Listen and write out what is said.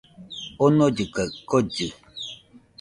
Omollɨ kaɨ kollɨ